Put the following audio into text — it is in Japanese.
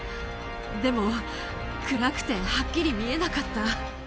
でも、暗くてはっきり見えなかった。